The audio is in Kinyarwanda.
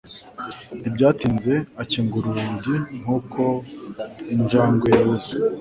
Ntibyatinze akingura urugi nkuko injangwe yabuze